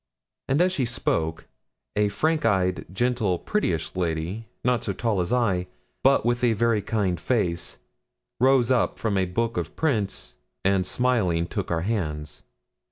And as she spoke, a frank eyed, gentle, prettyish lady, not so tall as I, but with a very kind face, rose up from a book of prints, and, smiling, took our hands.